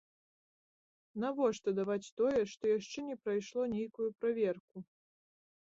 Навошта даваць тое, што яшчэ не прайшло нейкую праверку?